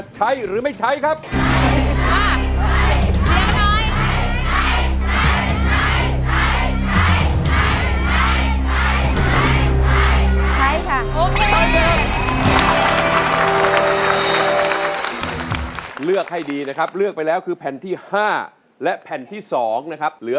ใช้นะครับ